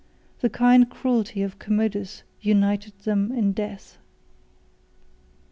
The kind cruelty of Commodus united them in death.